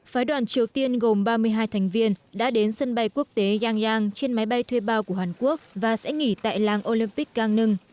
phái đoàn triều tiên gồm ba mươi hai thành viên đã đến sân bay quốc tế giang trên máy bay thuê bao của hàn quốc và sẽ nghỉ tại làng olympic cang nung